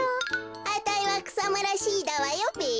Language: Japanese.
あたいはくさむらＣだわよべ。